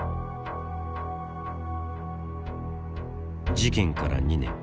事件から２年